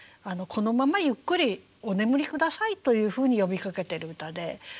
このままゆっくりお眠り下さいというふうに呼びかけている歌で。